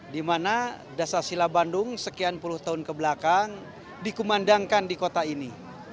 di mana dasar sila bandung sekian puluh tahun kebelakang dikumandangkan di kota ini